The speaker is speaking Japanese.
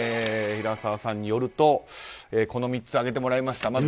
平澤さんによるとこの３つ挙げてもらいました。